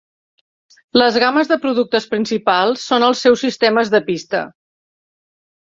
Les gammes de productes principals són els seus sistemes de pista.